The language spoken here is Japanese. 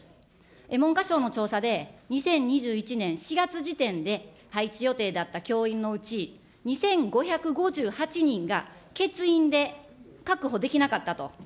文科省の調査で２０２１年４月時点で配置予定だった教員のうち、２５５８人が欠員で確保できなかったと。